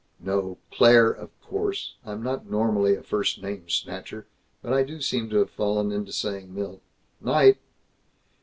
"No. 'Claire,' of course. I'm not normally a first name snatcher, but I do seem to have fallen into saying 'Milt.' Night!"